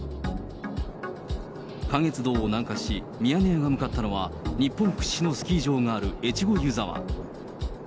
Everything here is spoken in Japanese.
関越道を南下し、ミヤネ屋が向かったのは、日本屈指のスキー場がある越後湯沢。